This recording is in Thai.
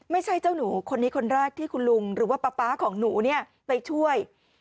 ไม่ใช่เจ้าหนูคนนี้คนแรกที่คุณลุงหรือว่าป๊าป๊าของหนูเนี่ยไปช่วย